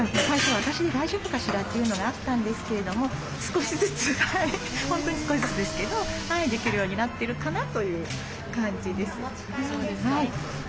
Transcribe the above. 最初私大丈夫かしら？というのがあったんですけれども少しずつ本当に少しずつですけどできるようになってるかなという感じです。